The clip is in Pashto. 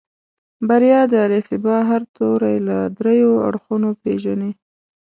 بريا د الفبا هر توری له دريو اړخونو پېژني.